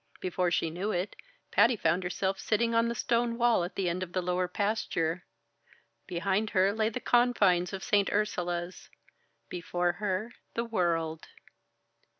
Before she knew it, Patty found herself sitting on the stone wall at the end of the lower pasture. Behind her lay the confines of St. Ursula's. Before her the World.